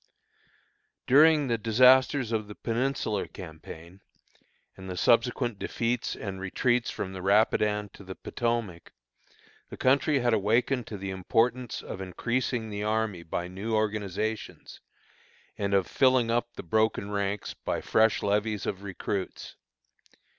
During the disasters of the Peninsular campaign, and the subsequent defeats and retreats from the Rapidan to the Potomac, the country had awakened to the importance of increasing the army by new organizations, and of filling up the broken ranks by fresh levies of recruits.